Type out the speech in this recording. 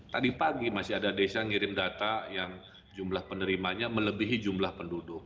tadi pagi masih ada desa yang ngirim data yang jumlah penerimanya melebihi jumlah penduduk